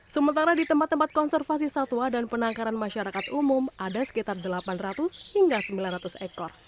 sementara di tempat tempat konservasi satwa dan penangkaran masyarakat umum ada sekitar delapan ratus hingga sembilan ratus ekor